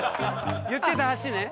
言ってた橋ね。